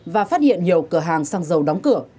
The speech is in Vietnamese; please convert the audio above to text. và phát hiện nhiều cửa hàng xăng dầu đóng cửa